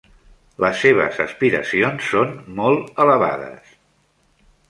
Les seves aspiracions són molt elevades.